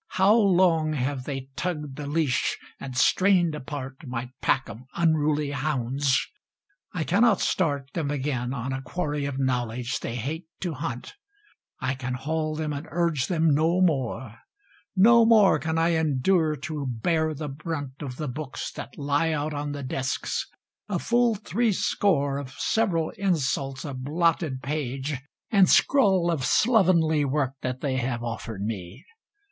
How long have they tugged the leash, and strained apart My pack of unruly hounds: I cannot start Them again on a quarry of knowledge they hate to hunt, I can haul them and urge them no more. No more can I endure to bear the brunt Of the books that lie out on the desks: a full three score Of several insults of blotted page and scrawl Of slovenly work that they have offered me.